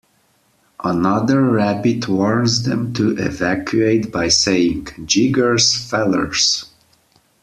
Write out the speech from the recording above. Another rabbit warns them to evacuate by saying "Jiggers, fellers!".